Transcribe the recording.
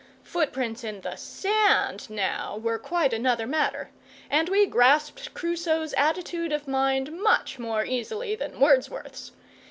Footprints in the sand, now, were quite another matter, and we grasped Crusoe's attitude of mind much more easily than Wordsworth's.